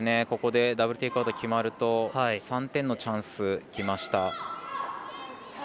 ここでダブル・テイクアウト決まると３点のチャンスがきました。